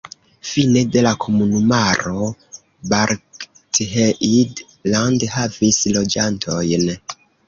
Fine de la komunumaro Bargteheide-Land havis loĝantojn.